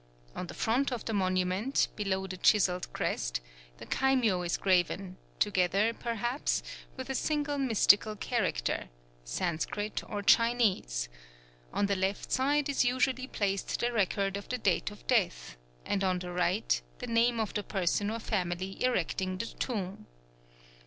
On the front of the monument, below the chiselled crest, the kaimyō is graven, together, perhaps, with a single mystical character Sanscrit or Chinese; on the left side is usually placed the record of the date of death; and on the right, the name of the person or family erecting the tomb.